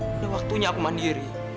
sudah waktunya aku mandiri